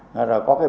rồi có cái biện pháp